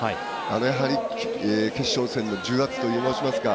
やはり、決勝戦の重圧と申しますか